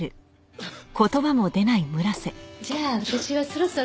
じゃあ私はそろそろ。